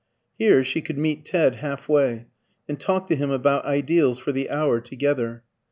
Here she could meet Ted half way and talk to him about ideals for the hour together.